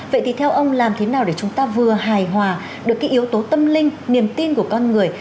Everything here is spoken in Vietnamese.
vậy thì theo ông làm thế nào để chúng ta vừa hài hòa được cái yếu tố tâm linh niềm tin của con người